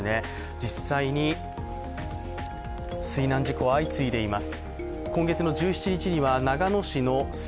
実際に水難事故、相次いでいます。